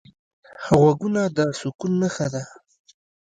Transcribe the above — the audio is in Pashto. غوږونه د سکون نښه ده